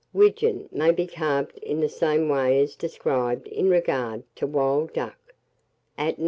WIDGEON may be carved in the same way as described in regard to Wild Duck, at No.